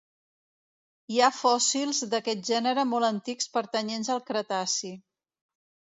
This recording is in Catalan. Hi ha fòssils d'aquest gènere molt antics pertanyents al cretaci.